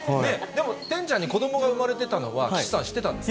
でも、てんちゃんに子どもが産まれてたのは、岸さん、知ってたんですか？